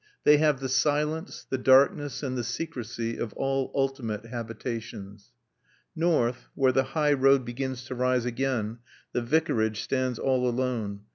They have the silence, the darkness and the secrecy of all ultimate habitations. North, where the high road begins to rise again, the Vicarage stands all alone.